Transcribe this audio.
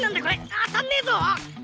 当たんねぇぞ！